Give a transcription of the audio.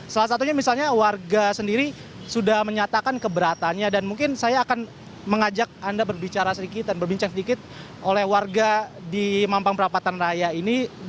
salah satunya misalnya warga sendiri sudah menyatakan keberatannya dan mungkin saya akan mengajak anda berbicara sedikit dan berbincang sedikit oleh warga di mampang perapatan raya ini